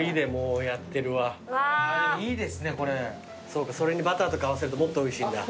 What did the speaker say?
そうかそれにバターとか合わせるともっとおいしいんだ。